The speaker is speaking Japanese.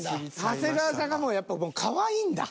長谷川さんがもうやっぱかわいいんだ。